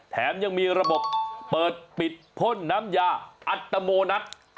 แถมยังมีระบบเปิดปิดพ่นน้ำยาอัตโมนัส